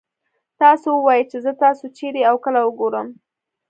تاسو ووايئ چې زه تاسو چېرې او کله وګورم.